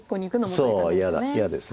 そう嫌です。